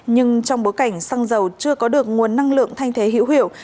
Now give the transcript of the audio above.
nhưng trong bối cảnh xăng dầu chưa có được nguồn năng lượng thay thế hữu hiệu